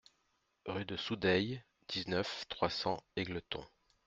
Rue de Soudeilles, dix-neuf, trois cents Égletons